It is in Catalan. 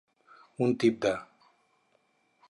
Un tip de.